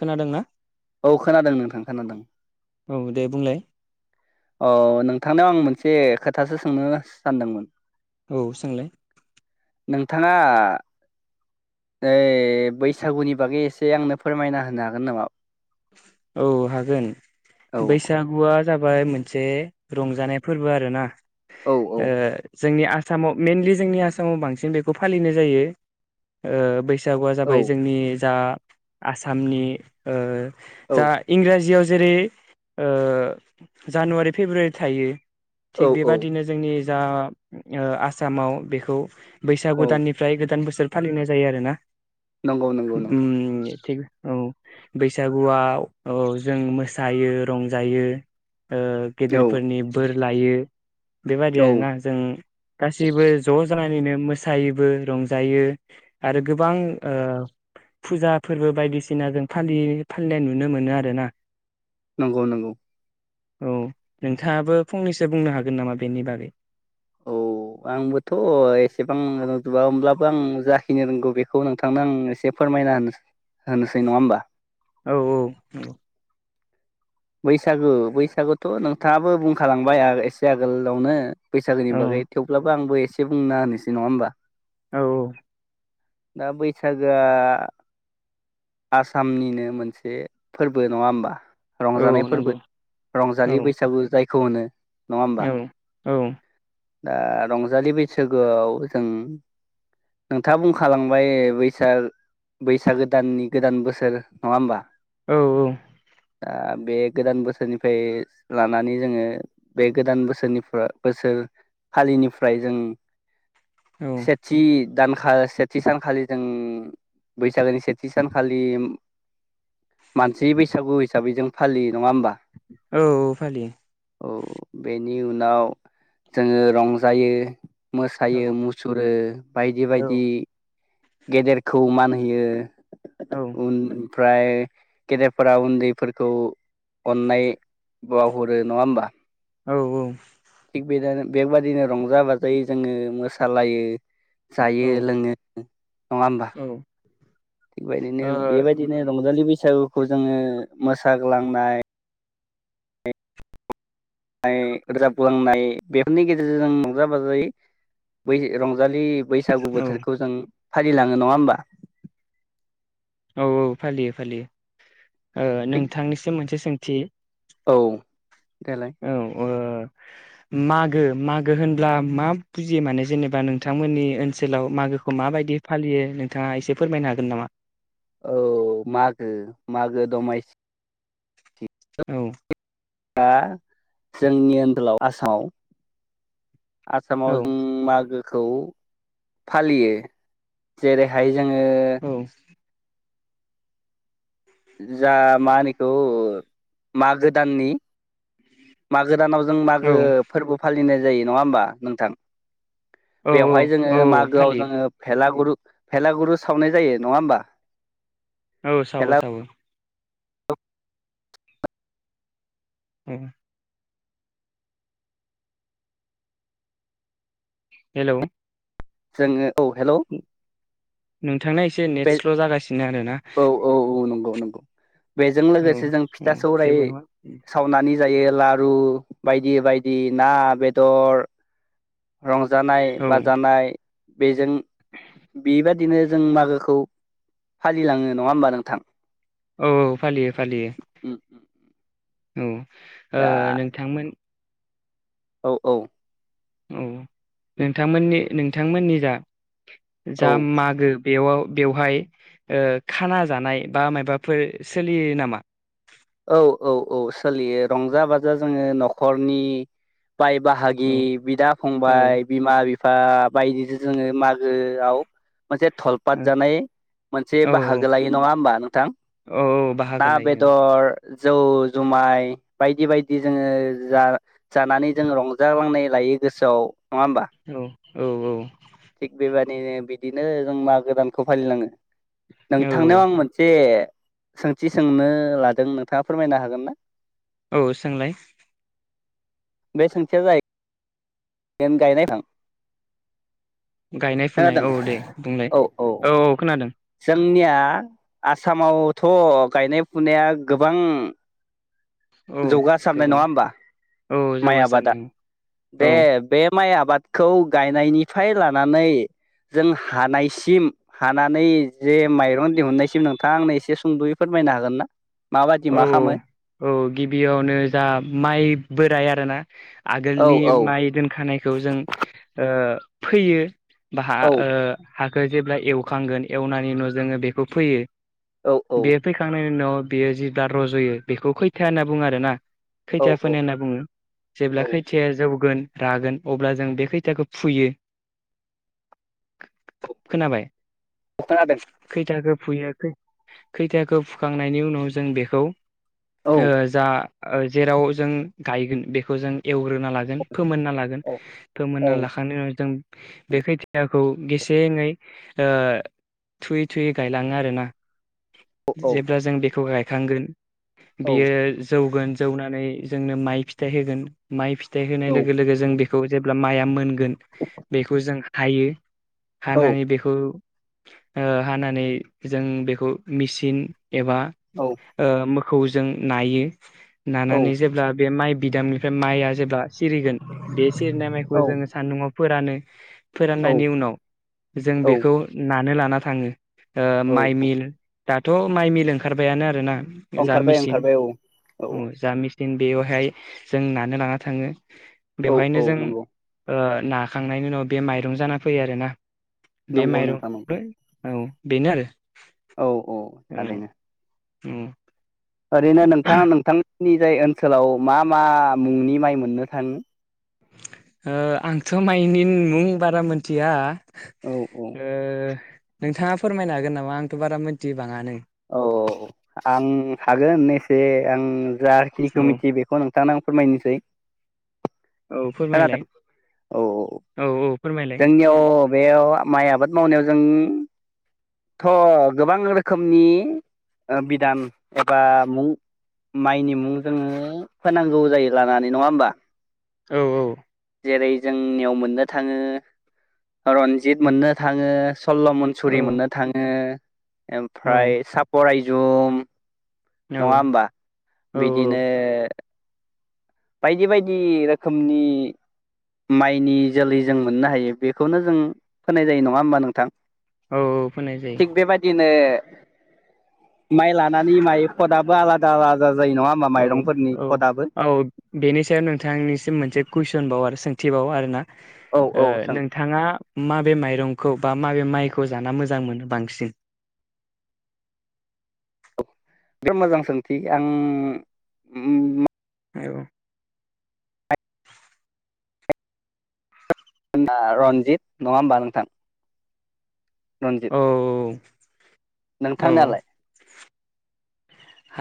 खोनादोंना औ खोनादों नोंथां। खोनादों। औ दे बुंलाय। औ नोंथांनाव आं मोनसे खोथासो सोंनो सानदोंमोन। औ सोंलाय। नोंथाङा ओइ बैसागुनि बागै एसे आंनो फोरमायना होनो हागोन नामा? औ हागोन औ बैसागुआ जा बाय मोनसे रंजानाय फोरबो आरोना औ औ ओ जोंनि आसामाव मइेनलि जोंनि आसामाव बांसिन बेखौ फालिनाय जायो ओ बै सागुआ औ जाबाय जोंनि जा आसामनि ओ औ दा इंराजियाव जेरै ओ जानुवारि फेब्रुवारि थायो औ थिग औ बेबादिनो जोंनि जा ओ आसामाव बेखौ औ बैसागुदाननिफ्राय गोदान बोसोर फालिनाय जायो आरो ना? नंगौ नंगौ नोंथां उम थिग औ बै बैसागुआव ओ जों मोसायो रंजायो ओ औ गेदेरफोरनि बोर लायो। बेबादि औ आरोना जों गासिबो ज' जानानैनो मोसायोबो रंजायो आरो गोबां ओ फुजा फोरबो बायदिसिना जों फालियो फालिनाय नुनो मोनो आरो ना। नंगौ नंगौ। औ नोंथाङाबो फंनैसो बुंनो हागोन नामा बेनि बागै? औ आंबोथ' एसेबां रोंजुबा होमब्लाबो आं जाखिनि रोंगौ बेखौ नोंथांनो आं एसे फोरमायना होनो होनोसै नङा होमबा? औ औ बुं। बैसागु बैसागुथ' नोंथाङाबो बुंखालांबाय आ एसे आगोलावनो औ बैसागोनि बागै थेवब्लाबो आंबो ए से बुंना होनोसै नङा होमबा? औ वौ दा बैसागोआ आसामनिनो मोनसे फोरबो नङा होमबा रंजानाय औ फोरबो नंगौ औ रंजालि बैसागु जाय खौनो औ औ। दा रंजालि बैसागोआव जों नोंथाङा बुंखालांबाय बैसाग बैसागोदाननि गोदान बोसोर नङा होमबा? औ औ। ओ‌ बे गोदान बोसोरनिफ्राय लानानै जोङो बे गोदान बोसोरनिफ्राय बोसोर फालिनिफ्राय जों औ सेथि दानखा सेथि सानखालि जों बैसागोनि सेथि सानखालि मानसै बैसागु हिसाबै जों फालि नङा होमबा? औ औ फालियो। औ बेनि उनाव जोङो रंजायो मोसायो औ मुसुरो बायदि औ बायदि गेदेरखौ मान होयो औ उन ओमफ्राय गेदेरफोरा उन्दैफोरखौ अननाय बाव हरो नङा होमबा? औ औ। बेबायदिनो रंजा बाजायै जोङो मोसालायो जायो लोङो नङा होमबा ओ थिगबायदिनो औ बेबायदिनो रंजालि बैसा बैसागुखौ जोङो मोसाग्लांनाय नाय रोजाबलांनाय बेफोरनि गेजेरजों जों रंजा बाजायै बै रंजालि बैसागु औ बोथोरखौ जों फालिलाङो नङा होमबा? औ औ फालियो फालियो। ओ थिग नोंथांनिसिम मोनसे सों थि औ देलाय औ अ आ आ मागो मागो होनब्ला मा बुजियो माने जेनेबा नोंथांमोननि ओनसोलाव मागोखौ माबायदि फालियो नोंथाङा एसे फोरमायनो हागोन नामा? औ मागो मागो दमायसि औ दा जोंनि ओनदोलाव आसामाव आसामाव औ जों मागो खौ फालियो जेरैहाय जोङो औ जा मा होनोखौ मागो दाननि मा गोदानाव जों औ मागो फोरबो फालि नाय जायो नङा होमबा नोंथां? औ बेवहाय औ जोङो औ मागोआव फालियो जोङो भेला गुरु भेलागुरु सावनाय जायो नङा होमबा? औ सावो भेला सावो। [inaudible] हेलौ जोङो औ हेलौ नोंथांना एसे नेट बे स्ल' जागासिनो आरोना। औ औ औ नंगौ नंगौ बेजों औ लोगोसे जों औ फिथा सौराय जेबो नङा सावनानै जायो लारु बायदि बायदि ना बेदर रंजानाय औ बाजानाय बेजों बेबादिनो जों मागोखौ फालिलाङो नङा होमबा नोंथां? औ औ फालियो फालियो। उम उम औ ओ दा नोंथांमोन औ औ औ नोंथांमोननि नोंथांमोननि जा जा औ मागो बेयाव बेवहाय ओ खाना जानाय बा माबाफोर सोलियो नामा औ औ औ सोलियो रंजा बाजा जोङो न'खरनि बाय बाहागि औ बिदा औ फंबाय बिमा बिफा बिफा बायदिजों जोङो मागोआव मोनसे थलपात जानाय मोनसे औ बाहागो लायो नङा होमबा नोंथां औ औ ना बाहागो लायो बेदर जौ जुमाय बायदि बायदि जोङो जा जानानै जों रंजालांनाय लायो गोसोआव नङा होमबा औ औ औ थिग बेबायदिनो बिदिनो जों मागो दानखौ फालिलाङो औ नोंथांनाव आं मोनसे सोंथि सोंनो लादों न नोंथाङा फोरमायनो हागोन ना औ सोंलाय बे सोंथिया जाहै बेेन गायनाय थां गायनाय फुनाय औ दे बुंलाय औ औ खोनादों। आंनिया आसामावथ' गायनाय फुनाया गोबां औ जौगासारनाय नङा गोबां होमबा औ माइ आबादा जौगासारनाय दे औ बे माइ आबाद आबादखौ गायनायनिफ्राय लानानै जों हानायसिम हानानै जे माइरं दिहुननायसिम नोंथां आंनो एसे सुंद'यै फोरमायनो हागोन ना माबायदि मा खालामो बियावनो जा माइ बोराइ आरोना औ आगोलनि औ माइ दोनखानायखौ जों ओ फैयो बाहा औ ओ हाखौ जेब्ला एवखांगोन एवनायनि उनाव जोङो बेखौ फैयो औ दे फैखांनायनि उनाव बि जि रज'यो बेखौ खैथा होनना बुङो आरो ना औ खैथिया औ फोनाय होनना बुङो जेब्ला औ खैथायाया जौगोन रागोन अब्ला जों बे खैथाखौ फुयो खोनाबाय खोनादों खैथाखौ फुयो खैथाखौ फुखांनायनि उनाव जों बेखौ खौ औ ओ जा ओ जेराव जों गायगोन बेखौ जों एवग्रोना लागोन फोमोनना लागोन औ औ फोमोनना लाखांनायनि उनाव जों बे खैथियाखौ गेसेङै ओ थुयै थुयै गायलाङो आरोना औ जेब्ला जों बेखौ गाय थांगोन औ बेयो जौगोन जौनानै जोंनो माइ फिथाइ होगोन माइ फिथा फिथाइ होनाय औ लोगो जों बे बेखौ जेब्ला माइया मोनगोन बेखौ जों हायो औ हानानै बेखौ ओ हानानै जों बेखौ मेसिन एबा आ खौ जों नायो नानानै जेब्ला बे माइ बिदामनिफ्राय माइआ जेब्ला सिरिगोन बे सिरिनाय माइखौ जोङो सान्दुआव फोरानो [inaudible] फोराननायनि उनाव जों औ बेखौ ना नो लाना थाङो। ओ माइ औ मिल दाथ' माइ मिल ओं खारबायानो आरो ना ओंखारबाय-ओंखारबाय औ-औ। जेन बेवहाय जों नानो लाना थाङो। औ बेवहायनो औ जों नंगौ ओ नाखांनायनि उनाव बे माइरं जाना फैयो आरोना। बे नंगौ माइरं [unintelligible] औ बेनो आरो औ-औ औ थारैनो। औ। ओरैनो नोंथांङा नोंथां जोंनि जाय ओनसोलाव मा-मा मुंनि माइ मोननो थाङो। ओ आंथ' माइनि मुं बारा मिथिया। औ ओ नोंथाङा फोरमायनो हागोन नामा आंथ' बारा मिथि बाङानो। औ आं हागोन एसे आं जा खिनिखौ औ मिथियो बेखौ नों थांनो आं फोरमायनोसै। औ खोनादों फोरमायलाय औ औ औ फोरमायलाय जोंनियाव बेयाव माइ आबाद मावनायाव जों थ' गोबां रोखोमनि ओ बिधान एबा मुं माइनि मुं जोङो फोनांगौ जायो लानानै नङा होमबा। औ औ। जेरै जोंनियाव मोननो थाङो रनजित मोननो थाङो। सल्ल' मन औ सुरि मोननो थाङो। औ ओमफ्राय सापरा जुम नङा होमबा औ बिदिनो बायदि बायदि रोखोमनि माइनि जोलै जों मोननो हायो बेखौनो जों फोनाय जायो नङा होमबा नोंथां। औ फोनाय जायो थिग बेबायदिनो माइ लानानै माइ फदाबो आलादा आला दा जायो नङा होमबा औ माइरंफोरनि औ फदाबो। औ बेनि सायाव नोंथांनिसिम मोनसे कुइसनबाव आरो सोंथिबाव आरोना। औ ओ सों नोंथाङा माबे माइरंखौ बा माबे माइखौ जाना मोजां मोनो बांसिन बिराद मोजां सोंथि आं उम औ रन्जित नङा होमबा नोंथां रनजित औ औ नोंथांनालाय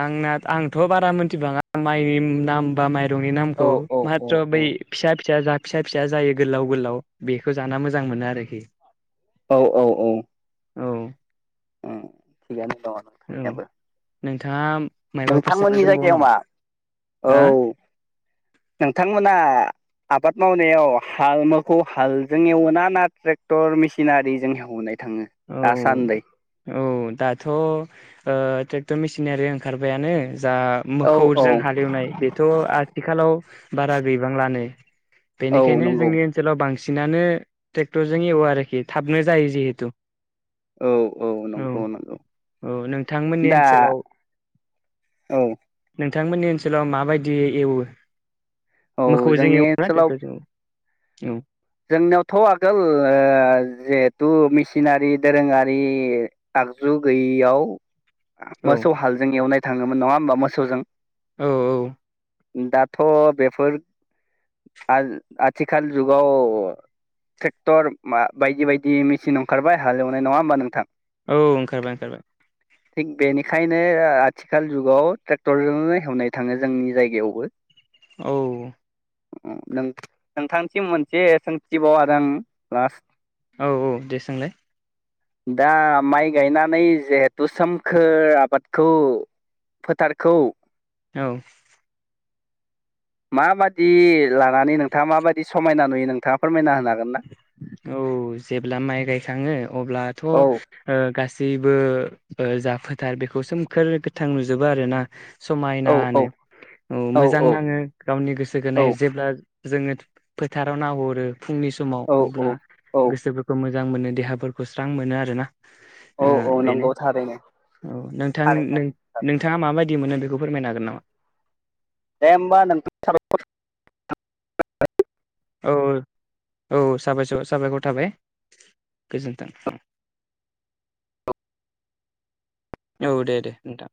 आंना आंथ बारा मिनथिबाङा माइनि नाम बा माइ रंनि औ नामखौ औ औ माथ्र' बै फिसा फिसा जाथ फिसा फिसा जायो गोलाव गोलाव बेखौ जाना मोजां मोनो आरोखि औ औ औ औ ओं थिगानो दङ औ नोंथांनियाबो नोंथाङा मायबाफोर सोंनो नोंथांमोननि दंबावो जायगायाव नामा मा औ हो नोंथांमोना आबाद मावनायाव हाल मोखौ हालजों एवोना ना ट्रेक्टर मेसिनारिजों हेवनाय औ औ दाथ' ओ थेख [unintelligible] मिसिंनारि ओंखारबायानो जा औ औ मोखौजों हालेवनाय बेथ' आथिखालाव बारा गैबांलानै औ बेनिखायनो नंगौ जोंनि ओनसोलाव बांस मेसिनानो ट्रेक्टरजों एवो आरोखि थाबनो जायो जिहेतु औ औ नंगौ नंगौ औ नोंथांमोननि दा ओनसोलाव औ बिथांमोननि ओनसोलाव माबायदि एवो औ मोखौजों जोंनि एवोना ट्रेक्टर ओनसोलाव जों एवो औ जोंनियावथ आगोल ओ जिहेथु मेसिनारि दोरोङारि आगजु गैयैयाव औ मोसौ हालजों एवनाय थाङोमोन नङा होमबा मोसौजों औ औ दाथ बेफोर आथ आथिखाल जुगाव अ टेक्टर मा बायदि बायदि मेसिन ओंखारबाय हालेवनाय नङा होमबा नोंथां औ ओंखारबाय ओंखारबाय थिग बेनिखायनो आथिखाल जुगाव ट्रेक्टरजोंनो हेवनाय थाङो जोंनि जायगायावबो औ नोंथांसिम मोनसे सोंथिबाव आरो लास्त औ औ दे सोंलाय दा माइ गायनानै जिहेथु सोमखोर आबादखौ फोथारखौ औ माबायदि लानानै नोंथाङा माबायदि समायना नुयो नोंथाङा फोरमायना होनो हागोन ना औ जेब्ला माइ गायखाङो अब्लाथ' औ गा जेबो जाफोथार बेखौ सोमखोर गोथां नुजोबो आरोना औ औ समायनानो औ मोजां नाङो गावनि औ गोसोखोनो जेब्ला जोङो फोथाराव नाहरो फुंनि समाव अब्ला औ औ गोसोफोरखौ मोजां जां मोनो देहाफोरखौ स्रां मोनो आरोना औ औ बेनो नंगौ थारैनो औ नोंथां थारैनो नोंथाङा माबा बिदि मोनो बेखौ फोरमायनो हागोन नामा [unintelligible] औ औ साबाय साबायखर थाबाय गोजोन्थों औ औ दे दे नोंथां